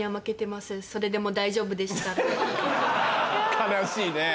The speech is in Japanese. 悲しいねぇ。